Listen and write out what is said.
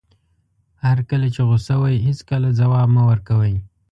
هر کله چې غوسه وئ هېڅکله ځواب مه ورکوئ.